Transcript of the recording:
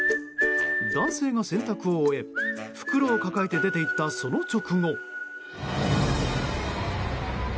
男性が洗濯を終え袋を抱えて出ていったその直後。